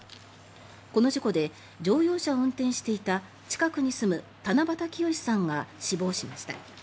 この事故で乗用車を運転していた近くに住む七夕清さんが死亡しました。